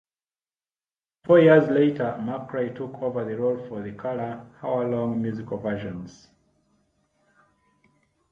Four years later MacRae took over the role for the color, hour-long musical versions.